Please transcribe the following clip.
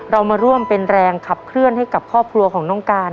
เรามาร่วมเป็นแรงขับเคลื่อนให้กับครอบครัวของน้องการ